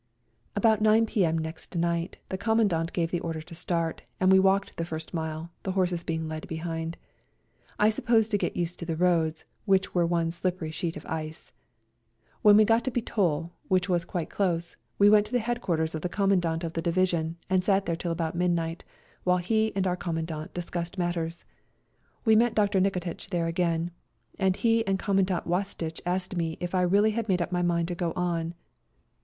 About 9 p.m. next night the Comman dant gave the order to start, and we walked the first mile, the horses being led behind, I suppose to get used to the roads, which were one slippery sheet of ice. When we got to Bitol, which was quite close, we went to the headquarters of the Com mandant of the division, and sat there till about midnight, while he and our Commandant discussed matters. We met Dr. Nikotitch there again, and he and Commandant Wasitch asked me if I really had made up my mind to go on.